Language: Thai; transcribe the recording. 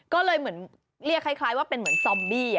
ก็เลยเหมือนเรียกคล้ายว่าเป็นเหมือนซอมบี้